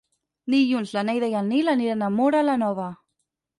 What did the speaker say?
Dilluns na Neida i en Nil aniran a Móra la Nova.